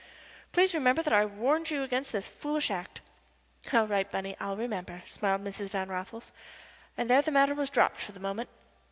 Please remember that I warned you against this foolish act." "All right, Bunny, I'll remember," smiled Mrs. Van Raffles, and there the matter was dropped for the moment.